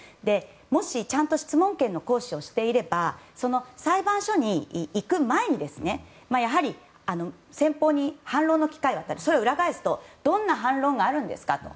もし、ちゃんと質問権の行使をしていればその裁判所に行く前にやはり、先方に反論の機会を与えるそれを裏返すとどんな反論があるんですかと。